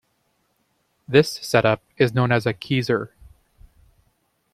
This setup is known as a keezer.